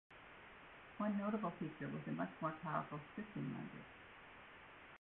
One notable feature was a much more powerful scripting language.